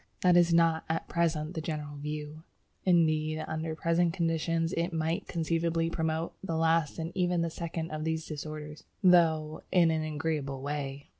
That is not at present the general view. Indeed, under present conditions it might conceivably promote the last and even the second of these disorders, though in an agreeable way!